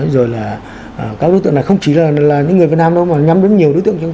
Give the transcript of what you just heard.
rồi là các đối tượng này không chỉ là những người việt nam đâu mà nhắm đến nhiều đối tượng